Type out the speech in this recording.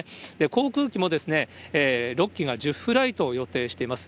航空機も６機が１０フライトを予定しています。